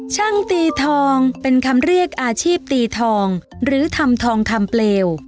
ช่างตีทองเป็นคำเรียกอาชีพตีทองหรือทำทองคำเปลว